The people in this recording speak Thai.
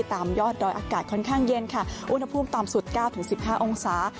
ตามยอดดอยอากาศค่อนข้างเย็นค่ะอุณหภูมิต่ำสุด๙๑๕องศา